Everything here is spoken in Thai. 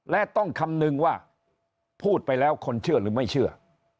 และต้องคำนึงว่าพูดไปแล้วคนเชื่อหรือไม่เชื่อ